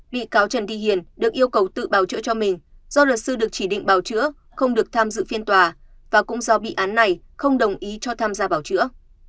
bị cáo trần thị hiền được yêu cầu tự bảo chữa cho mình do luật sư được chỉ định bào chữa không được tham dự phiên tòa và cũng do bị án này không đồng ý cho tham gia bảo chữa